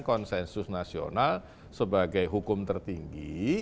konsensus nasional sebagai hukum tertinggi